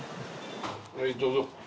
はいどうぞ。